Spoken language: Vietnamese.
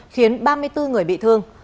khiến ba mươi bốn người bị thương